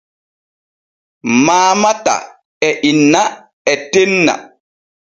Maamata e inna e tenna.